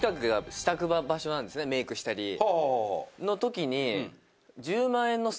メイクしたりの時に。